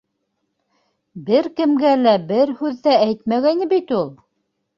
Бер кемгә лә бер һүҙ ҙә әйтмәгәйне бит ул...